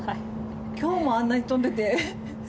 今日もあんなに飛んでて。